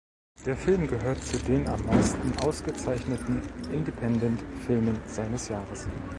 Der Film gehört zu den am meisten ausgezeichneten Independent-Filmen seines Jahres.